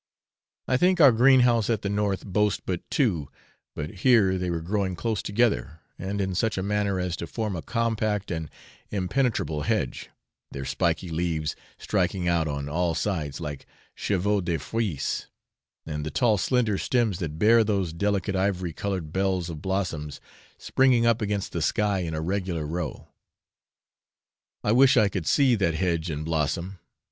I think our green house at the north boasts but two; but here they were growing close together, and in such a manner as to form a compact and impenetrable hedge, their spiky leaves striking out on all sides like chevaux de frise, and the tall slender stems that bear those delicate ivory coloured bells of blossoms, springing up against the sky in a regular row. I wish I could see that hedge in blossom.